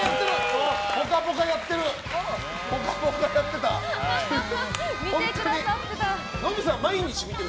「ぽかぽか」やってる！